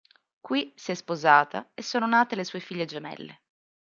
Qui si è sposata e sono nate le sue figlie gemelle.